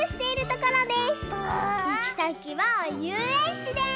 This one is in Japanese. いきさきはゆうえんちです！